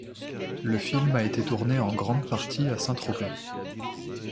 Le film a été tourné en grande partie à Saint-Tropez.